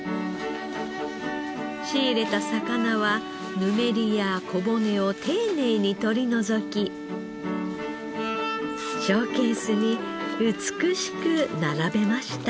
仕入れた魚はぬめりや小骨を丁寧に取り除きショーケースに美しく並べました。